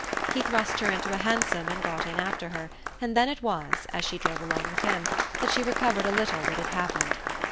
He thrust her into a hansom and got in after her, and then it was as she drove along with him that she recovered a little what had happened.